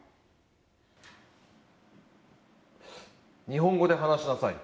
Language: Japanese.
日本語で話しなさい。